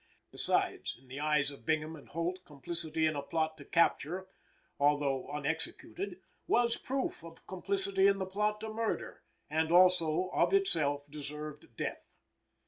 Besides, in the eyes of Bingham and Holt, complicity in a plot to capture, although unexecuted, was proof of complicity in the plot to murder, and also of itself deserved death.